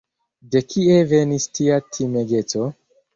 De kie venis tia timegeco?